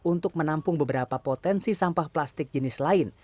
untuk menampung beberapa potensi sampah plastik jenis lain